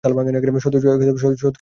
সত্যিই চমৎকার হয়েছে।